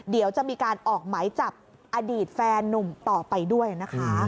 เดี๋ยวจะมีการออกหมายจับอดีตแฟนนุ่มต่อไปด้วยนะคะ